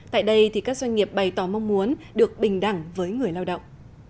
tại đây các doanh nghiệp bày tỏ mong muốn được bình đẳng với người lao động